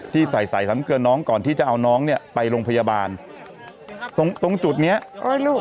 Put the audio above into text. ที่ใส่ใส่ซ้ำเกลือน้องก่อนที่จะเอาน้องเนี่ยไปโรงพยาบาลตรงตรงจุดเนี้ยโอ้ยลูก